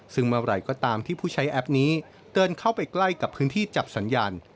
ซึ่งเมื่อไหร่ก็ตามที่ผู้ใช้แอปนี้เดินเข้าไปใกล้กับพื้นที่จับสัญญาณ